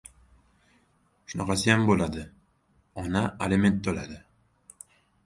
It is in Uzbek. Shunaqasiyam bo‘ladi: ona aliment to‘ladi!